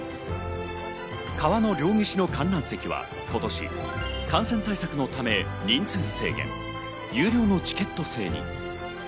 川の両岸の観覧席は今年、感染対策のため人数制限、有料のチケット制に。